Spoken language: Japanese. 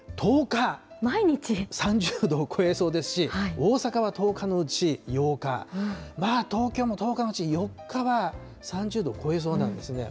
３０度を超えそうですし、大阪は１０日のうち８日、東京も１０日のうち４日は３０度を超えそうなんですね。